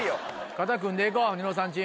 肩組んでいこうニノさんチームは。